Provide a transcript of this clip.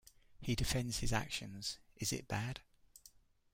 He defends his actions: Is it bad?